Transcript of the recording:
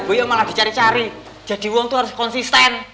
boyo malah dicari cari jadi wong tuh harus konsisten